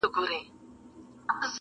په لېمو دي پوهومه,